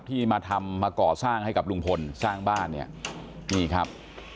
ที่มาทำมาก่อสร้างให้กับลุงพลสร้างบ้านเนี่ยนี่ครับ